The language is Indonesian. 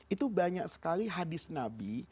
itu banyak sekali hadis nabi